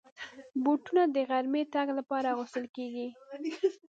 بوټونه د غرمې د تګ لپاره اغوستل کېږي.